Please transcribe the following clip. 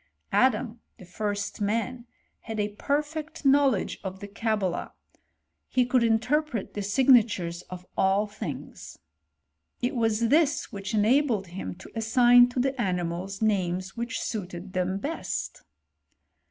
Adam, the first man, had a perfect knowledge of the Cabala; he could inter pret the signatures of all things. It was this which enabled him to assign to the animals names which suited them best.